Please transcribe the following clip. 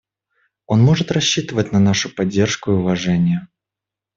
Он может рассчитывать на нашу поддержку и уважение.